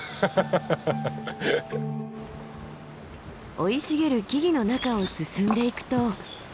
生い茂る木々の中を進んでいくと。